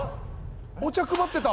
お茶配ってた。